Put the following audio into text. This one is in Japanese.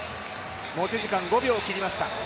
持ち時間５秒切りました。